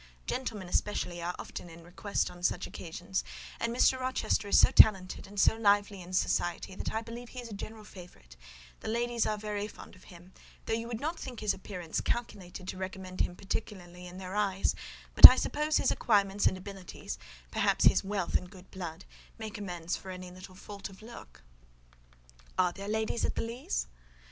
Gentlemen especially are often in request on such occasions; and Mr. Rochester is so talented and so lively in society, that I believe he is a general favourite: the ladies are very fond of him; though you would not think his appearance calculated to recommend him particularly in their eyes: but I suppose his acquirements and abilities, perhaps his wealth and good blood, make amends for any little fault of look." "Are there ladies at the Leas?"